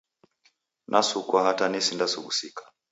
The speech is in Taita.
Nasukwa hata nesinda sughusika.